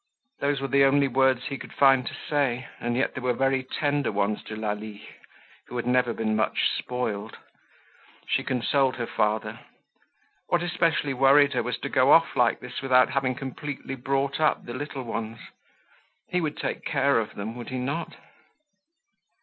Those were the only words he could find to say, and yet they were very tender ones to Lalie, who had never been much spoiled. She consoled her father. What especially worried her was to go off like this without having completely brought up the little ones. He would take care of them, would he not?